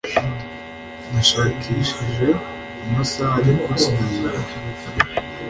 Nashakishije amasaha ariko sinayabona